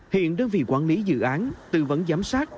hiện đơn vị quản lý dự án tư vấn giám sát